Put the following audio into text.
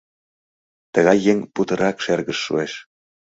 — Тыгай еҥ путырак шергыш шуэш.